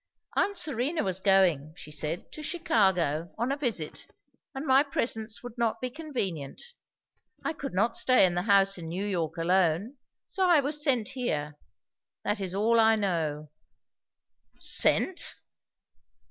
"Aunt Serena was going, she said, to Chicago, on a visit, and my presence would not be convenient. I could not stay in the house in New York alone. So I was sent here. That is all I know." "_Sent?